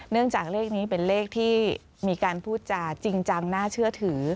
จากเลขนี้เป็นเลขที่มีการพูดจาจริงจังน่าเชื่อถือ